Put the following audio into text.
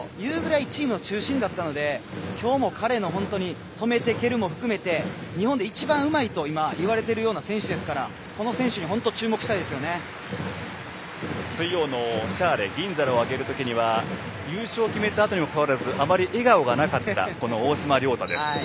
チームの中心だったのできょうも彼の止めて、蹴るも含めて日本で一番うまいといわれているような選手ですからこの選手に本当に水曜のシャーレ銀皿を上げるときには優勝を決めたあとにもかかわらずあまり笑顔がなかった大島僚太です。